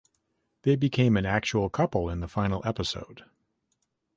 They became an actual couple in the final episode.